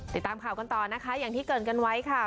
ติดตามข่าวกันต่อนะคะอย่างที่เกิดกันไว้ค่ะ